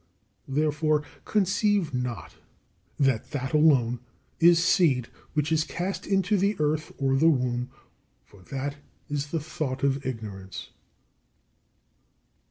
Therefore, conceive not that that alone is seed which is cast into the earth or the womb, for that is the thought of ignorance.